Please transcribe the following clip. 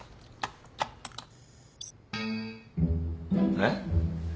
えっ？